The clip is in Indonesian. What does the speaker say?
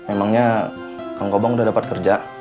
emangnya kang kobang udah dapat kerja